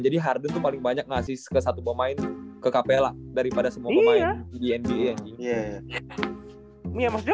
tapi harden paling banyak ngasih ke satu pemain ke capella daripada semua pemain di nba ya